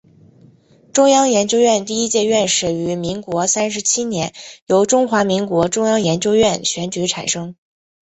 中央研究院第一届院士于民国三十七年由中华民国中央研究院选举产生。